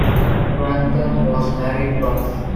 Grantham was married twice.